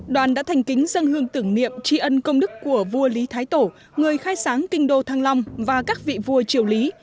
đoàn đã thành kính dân hương tưởng niệm tri ân công đức của vua lý thái tổ người khai sáng kinh đô thăng long và các vị vua triều lý